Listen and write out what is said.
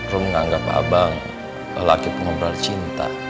rum nganggap abang laki pengembara cinta